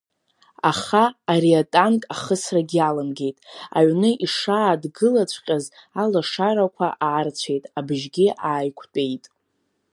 Аха ари атанк ахысрагь иаламгеит, аҩны ишаадгылаҵәҟьаз алашарақәа аарцәеит, абжьгьы ааиқәтәеит.